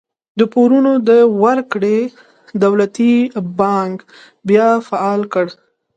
د پورونو د ورکړې دولتي بانک بیا فعال کړ.